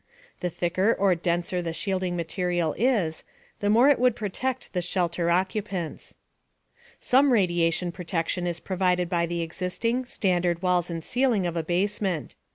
The thicker or denser the shielding material is, the more it would protect the shelter occupants. Some radiation protection is provided by the existing, standard walls and ceiling of a basement.